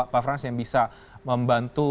pak frans yang bisa membantu